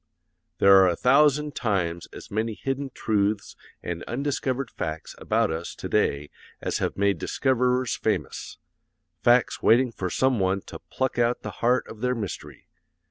There are a thousand times as many hidden truths and undiscovered facts about us to day as have made discoverers famous facts waiting for some one to 'pluck out the heart of their mystery.'